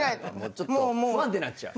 ちょっと不安定になっちゃう。